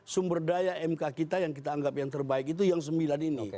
sumber daya mk kita yang kita anggap yang terbaik itu yang sembilan ini